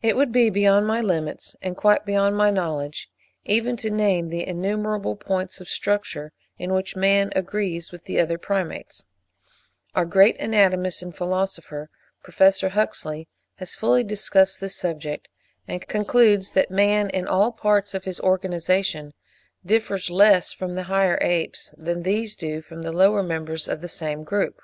It would be beyond my limits, and quite beyond my knowledge, even to name the innumerable points of structure in which man agrees with the other Primates. Our great anatomist and philosopher, Prof. Huxley, has fully discussed this subject (5. 'Evidence as to Man's Place in Nature,' 1863, p. 70, et passim.), and concludes that man in all parts of his organization differs less from the higher apes, than these do from the lower members of the same group.